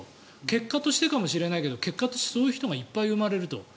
結果としてかもしれないけど結果として、そういう人がいっぱい生まれると。